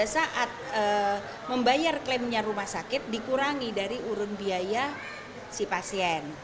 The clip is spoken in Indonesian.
saat membayar klaimnya rumah sakit dikurangi dari urun biaya si pasien